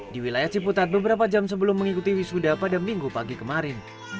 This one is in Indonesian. di wilayah ciputat beberapa jam sebelum mengikuti wisuda pada minggu pagi kemarin